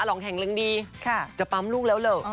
ลองแข็งแรงดีจะปั๊มลูกแล้วเหรอ